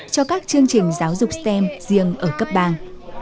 cho các chương trình giáo dục stem riêng ở cấp bang